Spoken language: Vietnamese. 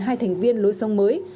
hai thành viên lối sông mới